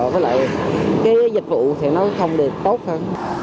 với lại cái dịch vụ thì nó không được tốt hơn